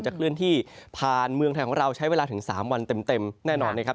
เคลื่อนที่ผ่านเมืองไทยของเราใช้เวลาถึง๓วันเต็มแน่นอนนะครับ